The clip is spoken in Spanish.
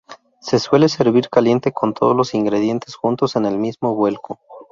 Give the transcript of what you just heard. Se suele servir caliente, con todos los ingredientes juntos en el mismo vuelco.